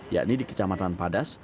yakni di kecamatan padas